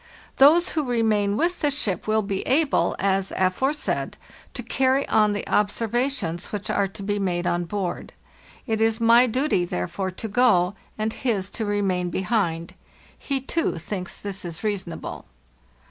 Those who remain with the ship will be able, as aforesaid, to carry on the observations which are to be made on board. It is my duty therefore, to go, and his to remain behind. He, too, thinks this reasonable.